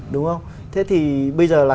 đúng không thế thì bây giờ là